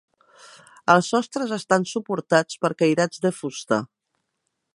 Els sostres estan suportats per cairats de fusta.